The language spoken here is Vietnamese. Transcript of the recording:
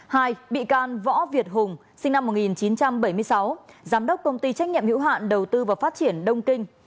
hai bị can võ việt hùng sinh năm một nghìn chín trăm bảy mươi sáu giám đốc công ty trách nhiệm hữu hạn đầu tư và phát triển đông kinh